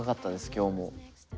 今日も。